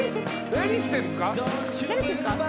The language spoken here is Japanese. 何してんすか？